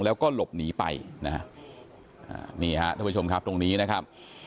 แล้วก็หลบหนีไปนะฮะนี่ฮะท่านผู้ชมครับตรงนี้นะครับ